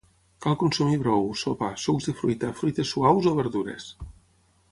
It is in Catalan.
Cal consumir brou, sopa, sucs de fruita, fruites suaus o verdures.